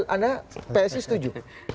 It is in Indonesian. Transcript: anda psi setuju